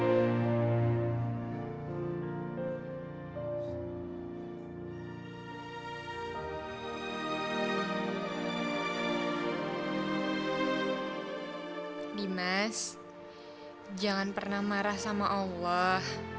karena allah sudah ngatur semuanya dengan indah